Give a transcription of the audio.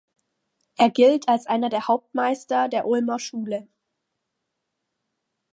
Er gilt als einer der Hauptmeister der Ulmer Schule.